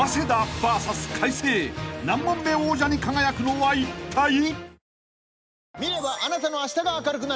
［何問目王者に輝くのはいったい？］